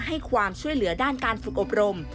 ให้ความช่วยเหลือด้านการฝึกอบรม